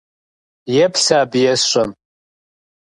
Еплъ сэ абы есщӏэм.